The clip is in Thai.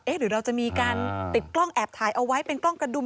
หรือเราจะมีการติดกล้องแอบถ่ายเอาไว้เป็นกล้องกระดุม